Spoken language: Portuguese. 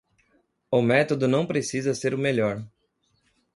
O método não precisa ser o melhor.